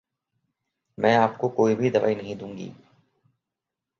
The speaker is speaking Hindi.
मैं आपको कोई भी दवाई नहीं दूंगी।